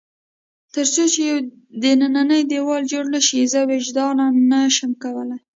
تر څو چې یو دننی دېوال جوړ نه شي، زه وجداناً نه شم کولای.